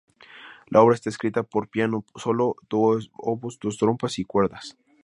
La obra está escrita para piano solo, dos oboes, dos trompas, y cuerdas.